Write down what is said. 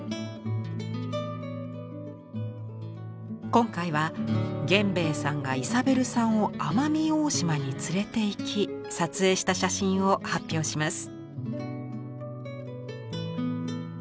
今回は源兵衛さんがイサベルさんを奄美大島に連れていき撮影した写真を発表します。